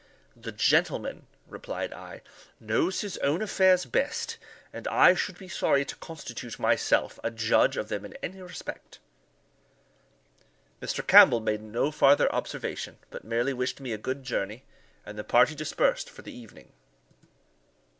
"The gentleman," replied I, "knows his own affairs best, and I should be sorry to constitute myself a judge of them in any respect." Mr. Campbell made no farther observation, but merely wished me a good journey, and the party dispersed for the evening.